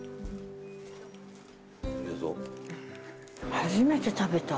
初めて食べた。